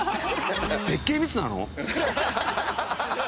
設計ミスなの！？